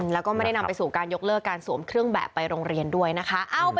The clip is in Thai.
แล้วก็ไม่ได้นำไปสู่การยกเลิกการสวมเครื่องแบบไปโรงเรียนด้วยนะคะ